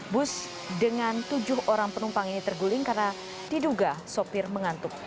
bus dengan tujuh orang penumpang ini terguling karena diduga sopir mengantuk